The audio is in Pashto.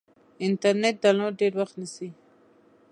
انټرنیټ ډاونلوډ ډېر وخت نیسي.